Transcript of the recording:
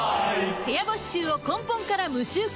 部屋干し臭を根本から無臭化